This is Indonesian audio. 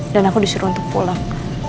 dan aku disuruh untuk pulang